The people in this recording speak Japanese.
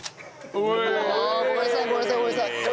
ごめんなさいごめんなさいごめんなさい。